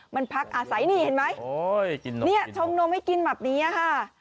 มันพักอาศัยนี่เห็นไหมเนี่ยชงนมให้กินแบบนี้ค่ะ